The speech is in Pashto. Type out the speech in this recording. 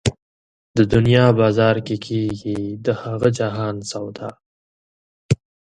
د دنيا په بازار کېږي د هغه جهان سودا